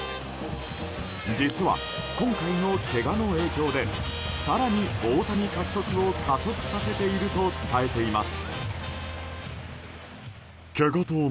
実は、今回のけがの影響で更に大谷獲得を加速させていると伝えています。